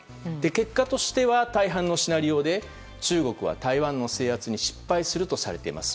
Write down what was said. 結果としては大半のシナリオで中国は台湾の制圧に失敗するとされています。